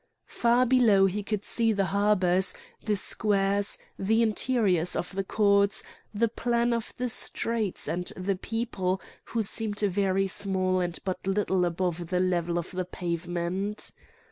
Far below he could see the harbours, the squares, the interiors of the courts, the plan of the streets, and the people, who seemed very small and but little above the level of the pavement.